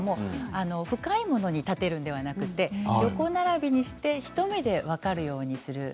深いものに立てるのではなくて横並びにして一目で分かるようにする。